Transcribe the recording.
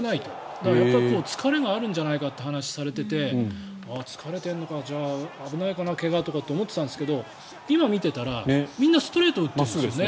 だから疲れがあるんじゃないかって話をされていて疲れてるのかじゃあ危ないかな、怪我とかって今見ていたらみんな、ストレートを打ってるんですよね。